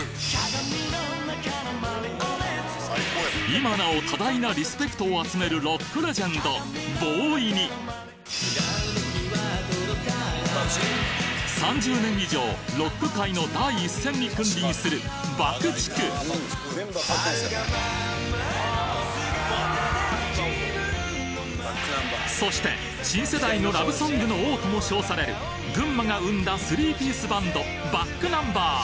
今なお多大なリスペクトを集めるロックレジェンド３０年以上ロック界の第一線に君臨するそして新世代のラブソングの王とも称される群馬が生んだスリーピースバンド